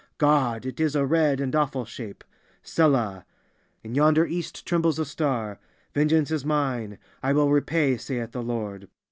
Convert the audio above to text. God! It is a red and awful shape. Selah! In yonder East trembles a star. Vengeance is mine; I will repay, saith the Lord!